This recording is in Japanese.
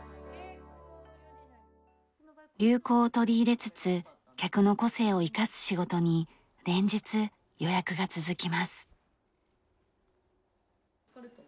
流行を取り入れつつ客の個性を生かす仕事に連日予約が続きます。